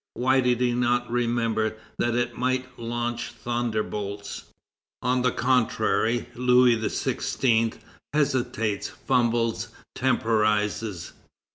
Why did he not remember that it might launch thunderbolts? On the contrary, Louis XVI. hesitates, fumbles, temporizes.